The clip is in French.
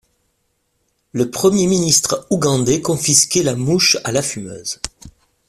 Le premier ministre ougandais confisquait la mouche à la fumeuse.